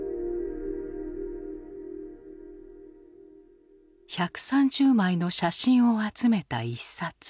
１３０枚の写真を集めた一冊。